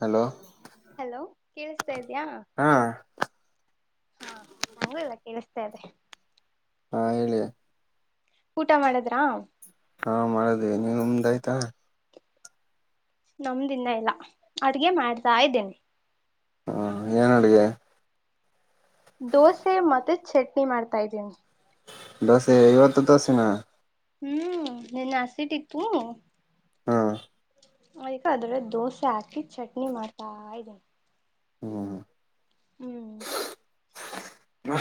hello ಕೇಳಿಸತಾ ಇದ ಇದ್ಯಾ ಹಾ ಹಾ ನಂಗಲ್ಲ ಕೇಳಿಸ್ತಾದೆ ಆಏಳ ಊಟ ಮಾಡದ್ರಾ ಹಾ ಮರ ದೇ ಉುಮದಾಯ ತ ನಮ್ದಿನ ಇಲ್ಲ ಅಡ್ಗೆ ಮಾಡ್ತಾ ಇದ್ದೇನೆ ಹ್ಮ ಏನ್ ಅಡಗೆ ದೋಸೆ ಮತ್ತೆ ಚಟ್ನಿ ಮಾಡ್ತಾ ಇದ್ದೀನಿ ಬಸ ಇವತ್ತು ದಸಿನ ಹ್ಮ್ ನಿನ್ ಹಸಿಟತ್ತು ಹಾ ಆಯ್ಗ ಅದ್ರಲ್ಲ ದೋಸೆ ಹಾಕಿ ಚಟ್ನಿ ಮಾಡ್ತಾ ಇದ್ದೀನಿ ಹ್ಮ ಹಾ ಹ್ಮ್ ಹ್ಮ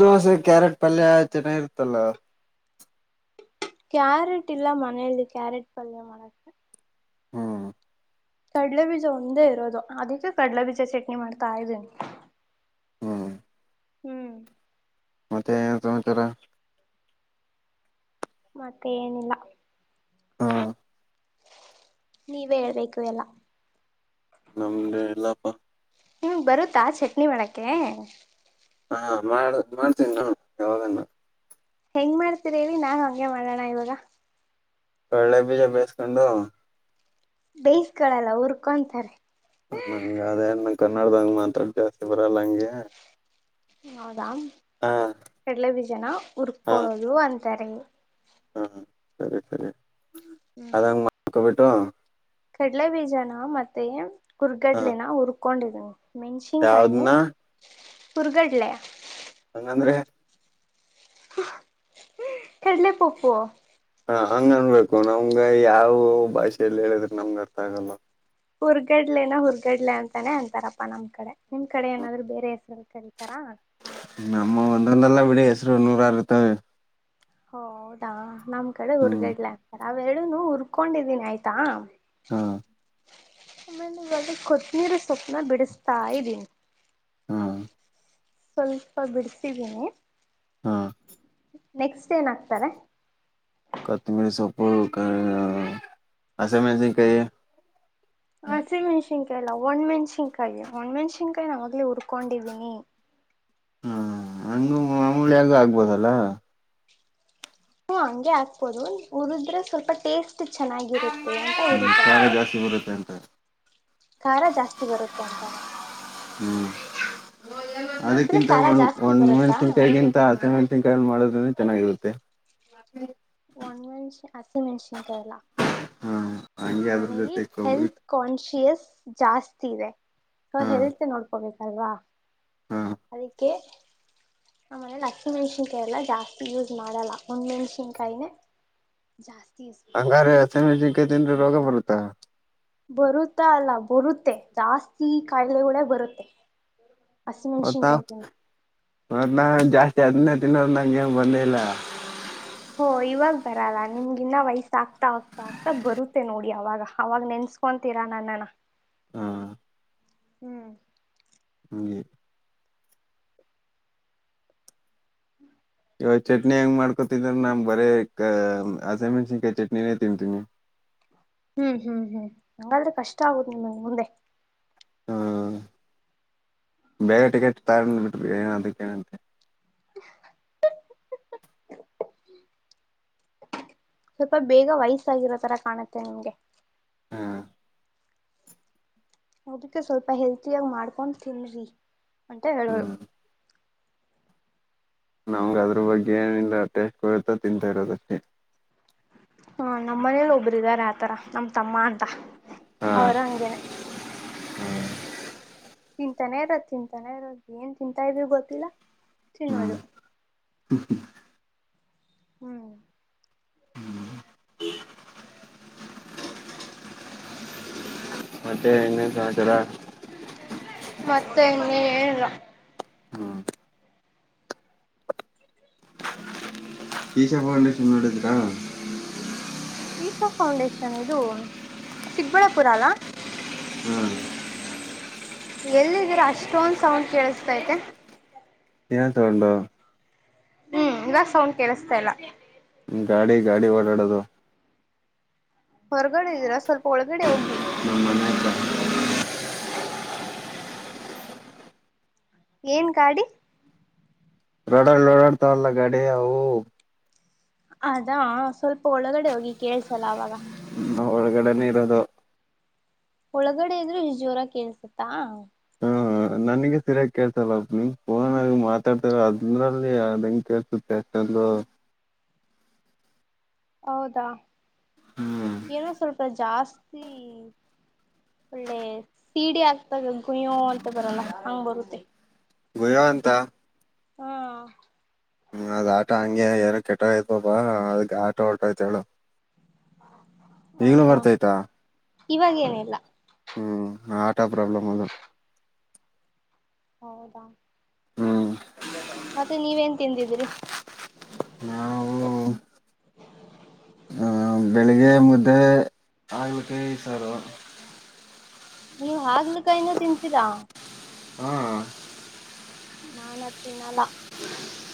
ದೋಸೆ ಕ್ಯಾರೆಟ್ ಪಲ್ಯ ಚೆನ್ನಾಗಿರುತ್ತಲ್ಲ ಕ್ಯಾರೆಟ್ ಇಲ್ಲ ಮನೇೆಯಲ್ಲಿ ಕ್ಯಾರೆಟ್ ಪಲ್ಯ ಮಾಡಕ್ಕೆ ಹ್ಮ್ ಕಡಲೆಬೀಜ ಒಂದೇ ಇರೋದು ಅದಕ್ಕೆ ಕಡಲೆಬೀಜ ಚಟ್ನಿ ಮಾಡ್ತಾ ಇದ್ದೀನಿ ಹ್ಮ್ ಹ್ಮ್ ಮತ್ತೆ ಸಮಚಾರ ಮತ್ತೆ ಏನಿಲ್ಲ ಹಾ ನೀವ ಹೇಳ್ಬೇಕು ಎಲ್ಲ ನಮ್ದ ಎಲ್ಲಪ್ಪ ನಿಮಗ್ ಬರುತ್ತಾ ಚಟ್ನಿ ಮಾಡಕ್ಕೆೆ ಹಾ ಮಾಡ ಮಾಡ್ತೀನಿ ನಾನು ಯಾವಾಗನ್ನ ಹೆಂಗ್ ಮಾಡ್ತೀರಿ ಹೇಳಿ ನಾ ಹಗೆ ಮಾಡೋಣ ಇವಾಗ ಕಳ್ಳಬೀಜ ಬಿಹಯ್ಸ್ಕೊಂಡು ಬೇಯಸ್ಗಳಲ್ಲ ಊರ್ಕೊಂತಾರೆ ನಂಗ ಅದೇನ್ ಕನ್ನಡದಂಗ ಮಾತ್ರ ಜಾಸ್ತಿ ಬರಲ್ಲ ಹಂಗೆ ಹೌದಾ ಹಾ ಕಡ್ಲೆಬೀಜನ ಹುರ್ಕಕೊಳೋದು ಅಂತಾರೆ ಹ್ಮ ಸರಿ ಸರಿ ಅದಂಗ ಮಾಡಕೊಬಿಟ್ಟು ಕಡ್ಲೆ ಬೀಜನ ಮತ್ತೆ ಹ ಕುರ್ಗಡ್ಲಿನ ಹುರ್ಕೊಂಡಿದನಿ ಮೆಣಸಿನ್ಕಾಯನು ಯಾವ್ದನ್ನ ಹೂರ್ಗಡ್ಲೆ ಹಂಗಂದ್ರೆ ಕಡಲ್ಲ ಪಪುವ ಹಾ ಹಂಗ ಅನ್ಬೇಕು ನಮ್ಗ ಯಾವ ಭಾಷೆಯಲ್ಲಿ ಹೇಳಿದ್ರೆ ನಮ್ಗ ಅರ್ಥ ಆಗಲ್ಲ ಹುರ್ಗಡ್ಲೆೇನ ಹುರ್ಗಡ್ಲೆ ಅಂತಾನೇ ಅಂತಾರಪ್ಪಾ ನಮ್ ಕಡೆ ನಿಮ್ ಕಡೆ ಏನಾದ್ರು ಬೇರೆ ಹೆಸ್ರಲ್ಲಿ ಕಳ್ತಾರಾ ನಮ್ಮ ಒಂದರಂದಲ್ಲ ಬಿಡ ಹೆಸರು ನೂರಾರು ಇರ್ತವೆ ಹೌದಾ ನಮ್ ಕಡೆ ಹ್ಮ್ ಉರ್ಗಡ್ಲೆ ಆಗ್ತಾರೆ ಅವಾವೆೇಳುನು ಹುರ್ಕೊಂಡಿದ್ದೀನಿ ಆಯ್ತಾ ಹಾ ಕೊತ್ತಂಬರಿ ಸೊಪ್ಪು ಬಿಡಿಸಸ್ತಾ ಇದ್ದೀನಿ ಹಾ ಸ್ವಲ್ಪ ಬಿಡ್ಸಿದ್ದೀನಿ ಹಾ ನೆಕ್ಸ್ಟ್ ಏನಾಗ್ತಾರೆ ಕೊತ್ತಮೀರಿ ಸೊಪ್ಪು ಹಸಿಮೆಣಸಿನಕಾಯಿ ಹಸಿಮೆಣಸಿನಕಾಯಿ ಲ್ಲಾ ಒಣ್ಣ್ಸಿನ್ಕಾಯಿ ಒಣ್ಣ್ಸಿನ್ಕಾಯಿ ನಾವಾಗ್ಲೇ ಹುರ್ಕೊಂಡಿದೀನಿ ಹ್ಮ ಹಣು ಆಮೂಳಾಗ ಆಗ್ಬೋದಲ್ಲ ಹ್ಮ ಹಂಗೆ ಹಾಕ್ಬೋದು ಉರದ್ರೆ ಸ್ವಲ್ಪ ಟೇಸ್ಟ್ ಎಷ್ಟು ಚೆನ್ನಾಗಿರುತ್ತೆ ಅಂತ ಹ್ಮ್ ಉರಿತಾರೆ ಖಾರ ಜಾಸ್ತಿ ಬರುತ್ತೆ ಅಂತ ಖಾರ ಜಾಸ್ತಿ ಬರುತ್ತೆ ಅಂತ ನಾ ಹ್ಮ್ ಹುರಿದ್ರೆ ಅದಕ್ಕಿಂತ ಖಾರ ಒ ಜಾಸ್ತಿ ಒಂದ್ ಬರುತ್ತಾ ಮೆಣ್ಸಿನ್ಕಾಯಿಗಿಂತ ಹತ್ತೇ ಮೆಣ್ಸಿನ್ಕಾಯಿಲ್ಲಿ ಮಾಡೋದ ಚೆನ್ನಾಗಿರುತ್ತೆ ಒನ್ ಮೆನ್ಷ ಹಸಿಮೆಣಸಿನಕಾಯಿ ಹಾ ನಮ್ಮ ಹಂಗೆ ಅದ್ರ ಮನೇಲಿ ಜೊತೆ ಕೊಬ್ಬರಿ ಹೆಲ್ತ್ ಕಾನ್ಶಿಯಸ್ ಜಾಸ್ತಿ ಇದೆ ಸ ಹಾ ಹೆಲ್ತ್ ನೋಡ್ಕೋಬೇಕಲ್ವಾ ಹಾ ಅದಕ್ಕೆ ನಮ್ ಮನೇಲಿ ಹಸಿ ಮೆಣ್ಸಿನ್ಕಾಯಿ ಎಲ್ಲಾ ಜಾಸ್ತಿ ಯೂಸ್ ಮಾಡಲ್ಲ ಒಣ್ ಮೆಣ್ಸಿನ್ಕಾಯಿನೆ ಜಾಸ್ತಿ ಯೂಸ್ ಮಾಡೋದು ಹಂಗಾರೆ ಹಸಿಮೆಣಸಿನಕಾಯಿ ತಿಂದ್ರೆ ರೋಗ ಬರುತ್ತಾ ಬರುತ್ತಾ ಅಲ್ಲ ಬರುತ್ತೆ ಜಾಸ್ತಿ ಕಾಯಿಲೆಗಳೆ ಬರುತ್ತೆ ಹಸಿ ಮೆಣಸಿನಕಾಯಿ ತಿಂದ್ರೆ ಅವನ ಜಾಸ್ತಿ ಅದನ್ನೇ ತಿನ್ನೋದು ನಂಗೆ ಏನು ಬರ್ಲಿಲ ಹೋ ಇವಾಗ್ ಬರಲ್ಲ ನಿಮ್ಗ ಇನ್ನ ವಯಸ್ಸ ಆಗ್ತಾ ಆಗ್ತಾ ಆಗ್ತಾ ಬರುತ್ತೆ ನೋಡಿ ಅವಾಗ ಅವಾಗ ನೆನ್ಸ ಸ್ಕೊತೀರಾ ನನ್ನನ ಹಾ ಹ್ಮ್ ಹಂಗೆ ಇವಾಗ ಚಟ್ನಿ ಹೆಂಗ್ ಮಾಡ್ಕೊತಿದ್ರ ನಮ್ ಬರೇ ಕ ಹಸಿಮೆಣಸಿನಕಾಯಿ ಚಟ್ನನೆ ತಿನ್ನತಿನಿ ಹ್ಮ್ ಹ್ಮ್ ಹ್ಮ್ ಹಂಗಾದ್ರೆ ಕಷ್ಟ ಆಗುದು ನಿಮಗೆ ಮುಂದೆ ಹ್ಮ್ ಬೇಗ ಟಿಕೆಟ್ ತಕಂಡ್ ಬಿಟ್ರೆ ಏನ ಅದಕ್ಕೇನಂತೆ [inaudible] ಸ್ವಲ್ಪ ಬೇಗ ವಯಸ್ಸಾಗಿರೋ ತರ ಕಾಣುತ್ತೆ ನಿಮ್ಗೆ ಹಾ ಅದಕ್ಕೆ ಸ್ವಲ್ಪ ಹೆಲ್ತಿಯಾಗಿ ಮಾಡ್ಕೊಂಡ್ ತಿನ್ರಿ ಅಂತ ಹೇಳೋದು ಹ್ಮ್ ನಮ್ಗೆ ಅದ್ರ ಬಗ್ಗೆ ಏನಿಲ್ಲ ಟೇಸ್ಟ್ ಕೊತಾ ತಿಂತಾ ಇರೋದಷ್ಟಕ್ಕೆ ಹಾ ನಮ್ಮ ಮನೇಲಿ ಒಬ್ಬರು ಇದಾರೆ ಆತರ ನಮ್ ತಮ್ಮ ಅಂತ ಅವರು ಹಂಗೇನೆ ಹ್ಮ್ ತಿಂತಾನೆ ಇರದು ತಿಂತಾನೆ ಇರದು ಏನ್ ತಿಂತಾ ಇದ್ರು ಗೊತ್ತಿಲ್ಲ ಹ್ಮ್ ತಿನ್ನೋದು ಹ್ಮ್ ಹ್ಮ್ ಮತ್ತೆ ಇನ್ನೇನ್ ಸಮಾಚಾರ ಮತ್ತೆ ಇನ್ ಏನಿಲ್ಲ ಹ್ಮ ಈಶಾ ಫೌಂಡೇಶನ್ ನೋಡಿದ್ರಾ ಈಶಾ ಫೌಂಡೇಶನ್ ಇದು ಚಿಕ್ಕಬಳ್ಳಾಪುರ ಅಲ್ಲಾ ಹ್ಮ್ ಎಲ್ಲಿದ್ದೀರ ಅಷ್ಟೊಂದ ಸೌಂಡ್ ಕೇಳ್ಸ್ತೈತೆ ಏನ್ ತಕೊಂಡು ಹ್ಮ್ ದಈಗ ಸೌಂಡ್ ಕೆಲ್ಸ್ತ ಇಲ್ಲ ಗಾಡಿ ಗಾಡಿ ಒಡಾಡುದು ಹೊರಗಡೆ ಇದೀರಾ ಸ್ವಲ್ಪ ಒಳಗಡೆ ಹೋಗ್ ನಮ್ ಮನೆಯತ ಏನ್ ಗಾಡಿ ರೋಡ್ ಅಲ್ಲಿ ಓಡಾಡ್ತಾವಲ್ಲ ಗಾಡಿ ಅವು ಅದಾ ಸ್ವಲ್ಪ ಒಳಗಡೆ ಹೋಗಿ ಕೇಳ್ಸಲ್ಲ ಅವಾಗ ಒಳಗಡೆನೆ ಇರೋದು ಒಳಗಡೆ ಇದ್ರು ಇಷ್ಟ್ ಜೋರಾಗ್ ಕೆಲ್ಸುತ್ತು ಹಾ ನನಗೆ ಸರಿಯಾಗಿ ಕೇಸಲ್ಲ ನಿಮ್ ಫೋನ್ ಆಗ ಮಾತಾಡ್ತಾರ ಅದ್ರಲ್ಲಿ ಅದಂಗ ಕೇಸುತ್ತೆ ಅಂತ ಹಲೋ ಹೌದಾ ಏನೋ ಸ್ವಲ್ಪ ಜಾಸ್ತಿ ಒಳ್ಳೆ ಸೀಡಿ ಆಗ್ತಾಗ ಗುಯ್ಯೋ ಅಂತ ಬರಲ್ಲ ಹಂಗ್ ಬರುತ್ತೆ ಗುಯೋ ಅಂತ ಹ್ಮ ಹ್ಮ ಅದ ಆಟ ಹಂಗೆ ಏರೋ ಕೆಟ್ಟ ಆಯ್ತಪಾ ಅದ ಆಟೋ ಟೋ ಆಯ್ತ ಹೇಳ ಈಗ್ಲೂ ಬರ್ತಾಯ್ತಾ ಇವಾಗೇನಲ್ಲ ಹ್ಮ್ ಆಟಾ ಪ್ರಾಬ್ಲಮ್ ಅದ ಹೌದಾ ಹ್ಮ್ ಮತ್ತೆ ನೀವೇನ್ ತಿಂದಿದ್ರಿ ಹಾ ಹ ಬೆಳಿಗ್ಗೆ ಮುದ್ದೆ ಆಳ್ಕ್ಕೆ ಸಾರ ನೀವ್ ಹಗ್ಲು ಕಾಯಿಂದ ತಿನ್ಂತೀರಾ ಹ್ಮ ನಾನ್ ತಿನ್ನಲ್ಲ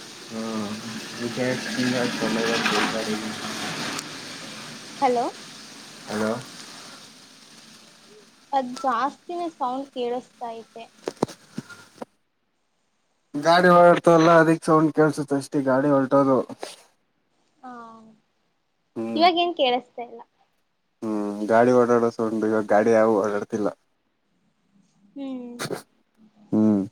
ಹ ಹಲೋ ಹಲೋ ಅದ್ ಜಾಸ್ತಿನೇ ಸೌಂಡ್ ಕೇಳಿಸತಾತೆ ಗಾಡಿ ಹೊರಡ್ತಲ್ಲ ಅದಿ ಸೌಂಡ್ ಕಳ್ಸುತ್ತ ಅಷ್ಟೇ ಗಾಡಿ ಹೊರಟೋದು ಹಾ ಹ್ಮ್ ಇವಾಗೇನ್ ಕೇಳಿಸತಾ ಇಲ್ಲ ಹ್ಮ್ ಗಾಡಿ ಓಡಾಡಸ [unintelligible] ಈವಾಗ ಗಾಡಿ ಯಾವು ಓಡಾಡ್ತಿಲ್ಲ ಹ್ಮ್ ಹ್ಮ್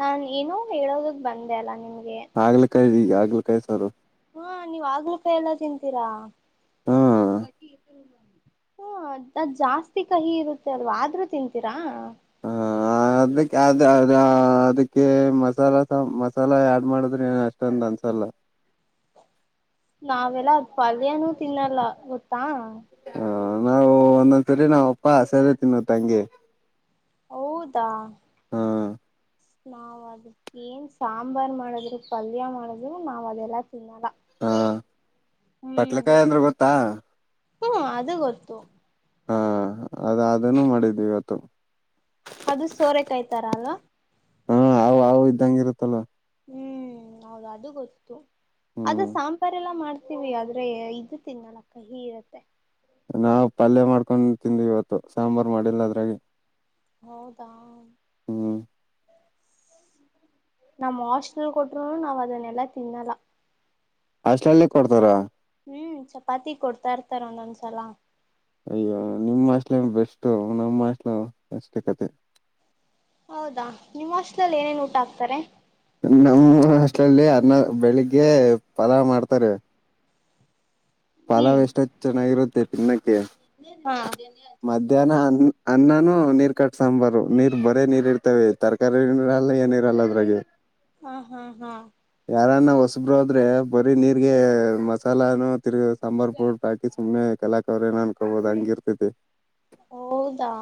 ನಾನ್ ಏನೋ ಹೇಳೋದಕ್ ಬಂದೆ ಅಲ್ಲ ನಿಮ್ಗೆ ಆಗ್ಲ ಕಾಯ ರೀ ಆಗ್ಲ ಕಾಯ ಸಾರ ಹಾ ನೀವ್ ಆಗ್ಲ ಕ ಎಲ್ಲ ತಿಂತೀರಾ ಹಾ ಹ್ಮ್ ಅದ್ ಜಾಸ್ತಿ ಕಹಿ ಇರುತ್ತೆ ಅಲ್ವಾ ಆದ್ರೂ ತಿಂತೀರಾ ಹ ಅದಕ್ಕೆ ಅ ಅದ ಅದಕ್ಕೆ ಮಸಾಲ ಸ ಮಸಾಲ ಆಡ್ ಮಾಡುದ್ರೆ ಏನ್ ಅಷ್ಟ ಅಂತ ಅನ್ಸಲ್ಲ [inaudible] ನಾವೆಲ್ಲ ಪಲ್ಯನೂ ತಿನ್ನಲ್ಲ ಗೊತ್ತಾ ಹ ನಾವು ಒಂದೊಂದ್ ಸರಿ ನಾವ್ ಅಪ್ಪ ಸೇರಿ ತಿನ್ನುವು ತಂಗಗೆ ಹೌದಾ ನಾವ ಅದ್ ಏನ್ ಸಾಂಬಾರ್ ಮಾಡದ್ರು ಪಲ್ಯ ಮಾಡದ್ರು ನಾವ್ ಅದೆಲ್ಲ ಹಾ ಹ್ಮ್ ಬಟ್ಲಕಾಯಿ ಅಂದ್ರೆ ಗೊತ್ತಾ ಹ್ಮ್ ಅದು ಗೊತ್ತು ಹಾ ಅದ ಅದನ್ನು ಮಾಡಿದ್ವಿ ಇವತ್ತು ಅದು ಸೋರೆ ಕಾಯ್ತಾರ ಅಲ್ವಾ ಹಾ ಅ ಅ ಇದ್ದಂಗ ಇರುತ್ತಲ್ಲ ಹ್ಮ್ ಹೌದು ಅದು ಗೊತ್ತು ಅದು ಹ್ಮ್ ಸಾಂಬಾರ ಎಲ್ಲ ಮಾಡ ತವಿ ಆದ್ರೆ ಇದು ತಿನ್ನಲ್ಲ ಕಹಿ ಇರತ್ತೆ ನಾವವು ಪಲ್ಯ ಮಾಡ್ಕೊಂಡು ತಿಂದ್ ಇವತ್ತು ಸಾಂಬಾರ್ ಮಾಡಿಲ್ಲ ಅದ್ರಾಗಿ ಹೌದಾ ಹ್ಮ್ ನಮ್ಮ್ ಹಾಸ್ಟಲ್ ಕೊಟ್ಟರು ನಾವು ಅದನ್ನೆಲ್ಲಾ ತಿನ್ನಲ್ಲ ಅಷ್ಟಲ್ಲಿ ಕೊಡ್ತಾರ ಹ್ಮ್ ಚಪಾತಿ ಕೊಡ್ತಾ ಇರ್ತಾರ ಒಂದೊಂದ್ಸಲ ಅಯ್ಯೋ ನಿಮ್ಮ ಅಸ್ಲಿ ಬೆಸ್ಟ್ ನಮ್ಮಸ್ಲು ಎಷ್ಟೇ ಕತೆ ಹೌದಾ ನಿಮ್ಮ್ ಅಸ್ಲಲ್ಲಿ ಏನೇನ್ ಊಟ ಆಗ್ತಾರೆ ನಮ್ಮ ಅಸ್ಲಲ್ಲಿ ಅರ್ನ ಬೆಳಿಗ್ಗೆ ಪಲಾವ್ ಮಾಡ್ತಾರೆ ಲ ಹ್ಮ್ ವಷ್ಟ ಚೆನ್ನಾಗಿರುತ್ತೆ ಪನ್ನ ಹಾ ಮಧ್ಯಾಹ್ನ ಅ ಅನ್ನಾನ ನೀರ್ ಕಟ್ಟ ಸಾಂಬಾರು ನೀರ್ ಬರೇ ನೀರ್ ಇರ್ತವೆ ತರಕಾರಿ ನೀರಲ್ಲ ಏನ ಇರಲ್ಲ ಅದ್ರಾಗ ಹಾ ಹಾ ಹಾ ಾರಾನ ಹೊಸಬರೋದ್ರೆ ಬರೀ ನೀರ್ಗೆ ಮಸಾಲಾನೂ ತಿರುಗ ಸಂಬರ್ಪುರ್ ಹಾಕಿ ಸುಮ್ನೆ ಕಲಾಕಾರ ಏನ ಅನ್ಕೋಬೋದು ಹಂಗಿರ್ತತಿ ಹೌದಾ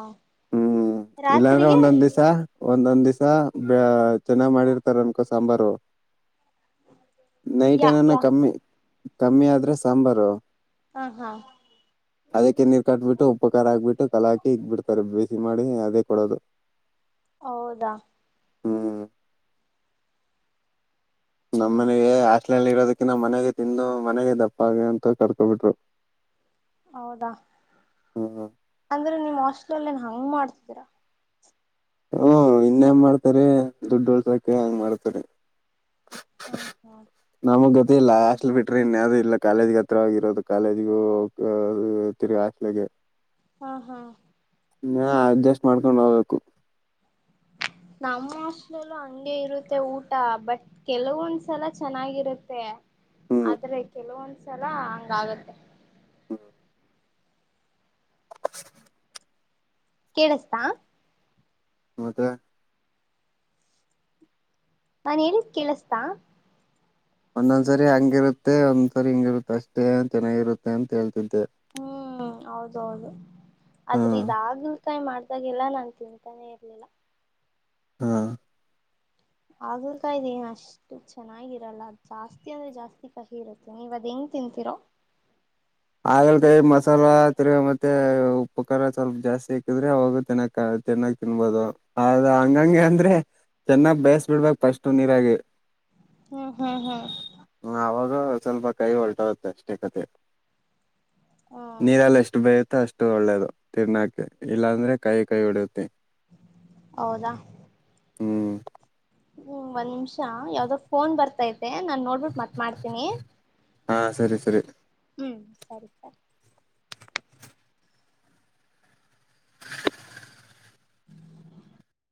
ಇಲ್ಲಾಂದ್ರೆ ರಾತ್ರಿಗೆ ಒಂದೊಂದ್ ದಿವ್ ಒಂದೊಂದ್ ದಿವ್ಸ ಬ ಚೆನ್ನಾಗ್ ಮಾಡಿರ್ತಾರ ಅನ್ಕೋ ಸಾಂಬಾರು [unintelligible] ಯಾ ನೈಟನನ ಯಾ ಕಮ್ಮಿ ಕಮ್ಮಿ ಆದ್ರೆ ಸಾಂಬಾರು ಹಾ ಹಾ ಅದಕ್ಕೆ ನೀರು ಕಟ್ಬಿಟ್ಟು ಉಪಕಾರ ಆಗ್ಬಿಟ್ಟು ಕಲಾಕಿ ಹಗ್ಬಿಟ್ಟಡ್ತರ ಬೇಸಿ ಮಾಡಿ ಅದೇ ಕೊಡೋದು ಹೌದಾ ಹ್ಮ ನಮ್ಮ್ ಹ್ಮ್ ಮನೆಗೆ ಆ ಲ್ಲಿ ಇರೋದಕ್ಕಿ ನ ಮನೆಗೆ ತಿಂದು ಮನೆಗೆ ದಪ್ಪಗ ಅಂತ ಕರ್ಕೊಬಿಟ್ರು ಹೌದಾ ಹ್ಮ್ ಅಂದ್ರೆ ನೀಮ್ ಹಸ್ಟೆಲ ಅಲ್ಲ ನ್ ಹಂಗ ಮಾಡ್ತಿದ್ದೀರಾ ಹ್ಮ ಇನ್ನ ಹೆಂಗ ಮಾಡ್ತಾರೆ ದುಡ್ಡು ಉಳ್ಸಕ ಹೆಂಗ್ ಮಾಡ್ತಾರ ಹ ಹಾ ಇ ಇಲ್ಲ ಹಾಸ್ಲ್ ಬಿಟ್ರಿ ಇನ್ಯ್ದೂ ಇಲ್ಲ ಕಾಲೇಜ್ಗ ಹತ್ರವಾಗಿಗರೋದು ಕಾಲೇಜಿಗು ತಿರುಗಿ ಹಾಸ್ಲಗೆ ಹಾ ಹಾ ಇ ಅಡ್ಜಸ್ಟ್ ಮಾಡ್ಕೊಂಡ್ ಹೋಗ್ಬೇಕು ನಮ್ಮ ಸ್ಲಲ್ಲೂ ಹಂಗೆ ಇರುತ್ತೆ ಊಟ ಬಟ್ ಕೆಲವೊಂದ್ಸಲ ಚೆನ್ನಾಗಿರುತ್ತೆ ಹ್ಮ್ ಆದ್ರೆ ಕೆಲವೊಂದ್ಸಲ ಹಂಗ ಆಗತ್ತೆ ಹ್ಮ ಕೇಳುಸ್ತಾ ಮತ್ತೆ ನನ್ ಹೇಳಿದ ಕೇಳಿಸತಾ ಒಂದೊಂದ್ಸರಿ ಹಂಗಿರುತ್ತೆ ಒಂದ್ಸರಿ ಹಿಂಗಿರುತ್ತೆ ಅಷ್ಟೇ ಚೆನ್ನಾಗಿರುತ್ತೆ ಅಂತ ಹೇಳ್ತಂತೇ ಹ್ಮ್ ಹೌದೌದು ಹಾ ಆದ್ರ ಇದಾಗ್ಲುಕಾಯಿ ಮಾಡ್ದಾಗ ಎಲ್ಲ ನನ್ ತಿಂತಾನೆ ಇರ್ಲಿಲ್ಲ ಹಾ ಹಾಗೂರ್ಕಾಯ್ದ ಏ ಅಷ್ಟು ಚೆನ್ನಾಗಿರಲ್ಲ ಅ ಜಾಸ್ತಿ ಅಂದ್ರೆ ಜಾಸ್ತಿ ಕಹಿ ಇರುತ್ತೆ ನೀವ್ ಹೆಂಗ್ ತಿಂತೀರೋ ಹ ಹಾಗಲ್ಕೈಿ ಮಸಾಲ ತಿರ್ಗ ಮತ್ತೆ ಉಪ್ಪಕಾರರ ಸ್ವಲ್ಪ ಜಾಸ್ತಿ ಇಾಕ್ಕಿದ್ರೆ ಅವಾಗ ತಿನ್ನೋಕ್ ಆಗ ತಿನ್ನಾಗ ತಿನ್ಬೋದು ಆದ ಹಂಗಂಗೆ ಅಂದ್ರೆ ಚೆನ್ನಾಗ ಬೇಯಸ್ ಬಿಡ್ಬಕ್ ಫಸ್ಟ್ ನೀರಾಗಿ ಹ್ಮ್ ಹ್ಮ್ ಹ್ಮ್ ಅವಾಗ ಸ್ವಲ್ಪ ಕೈ ಹೊಲ್ಟಾಗುತ್ತೆ ಅಷ್ಟೇ ಕತೆ ಹಾ ನೀರೆಲ್ಲ ಎಷ್ಟು ಬೇಯುತ್ತೋ ಅಷ್ಟು ಒಳ್ಳೇದು ತಿರ್ನ್ನಾಕ ಇಲ್ಲಾಂದ್ರೆ ಕೈ ಕೈ ಹೊಡಿಯತಿ ಹೌದಾ ಹ್ಮ್ ಹ್ಮ್ ಒಂದ್ ನಿಮಿಷ ಯಾವ್ದೋ ಫೋನ್ ಬರ್ತಾ ಇತಿ ನಾ ನೋಡ್ಬಿಟ್ಟು ಮತ್ ಮಾಡ್ತೀನಿ ಹಾ ಸರಿ ಸರಿ ಹ್ಮ್ ಸರಿ ಸರ್ [unintelligible]